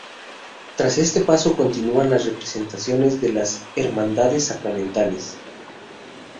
Tras este paso continúan las representaciones de las hermandades sacramentales.